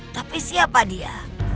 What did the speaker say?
tapi siapa dia